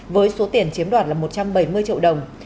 với số tiền chiếm đoạt là một trăm bảy mươi triệu đồng